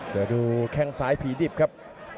เดี๋ยวดูแข้งซ้ายผีดิบครับ